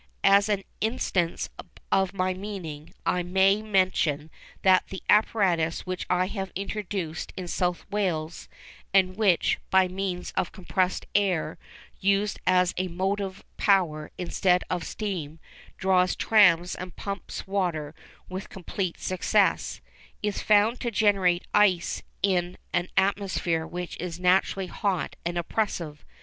As an instance of my meaning, I may mention that the apparatus which I have introduced in South Wales, and which, by means of compressed air used as a motive power instead of steam, draws trams and pumps water with complete success, is found to generate ice in an atmosphere which is naturally hot and oppressive.